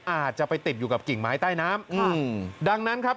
อาจจะไปติดอยู่กับกิ่งไม้ใต้น้ำอืมดังนั้นครับ